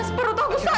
mas perut aku sakit mas